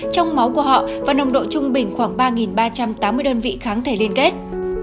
trong máu của họ và nồng độ trung bình khoảng ba ba trăm tám mươi đơn vị kháng thể liên kết